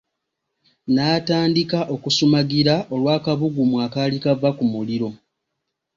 N'atandika okusumagira olw'akabugumu akaali kava ku muliro.